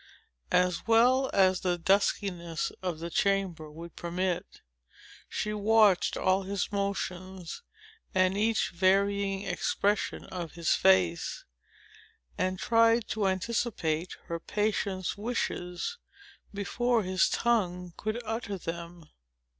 As well as the duskiness of the chamber would permit, she watched all his motions, and each varying expression of his face, and tried to anticipate her patient's wishes, before his tongue could utter them.